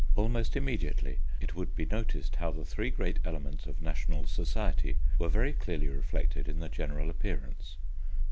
Almost immediately it would be noticed how the three great elements of national society were very clearly reflected in the general appearance.